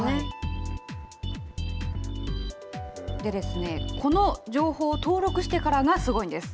でですね、この情報を登録してからがすごいんです。